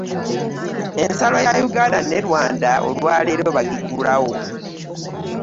Ensalo ya Uganda ne Rwanda olwa leero bagigulawo.